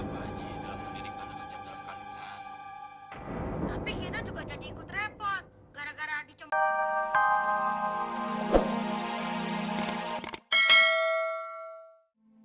tapi kita juga jadi ikut repot gara gara dijemput